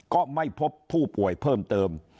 ก็ไม่พบผู้ป่วยเพิ่มเติม